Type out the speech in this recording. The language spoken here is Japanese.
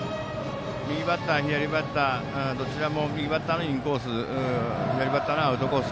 右バッター、左バッターどちらも右バッターのインコース左バッターのアウトコース